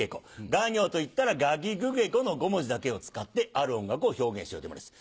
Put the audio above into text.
「が行」といったら「がぎぐげご」の５文字だけを使ってある音楽を表現しようっていうものです。